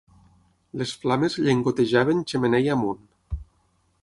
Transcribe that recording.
Les flames llengotejaven xemeneia amunt.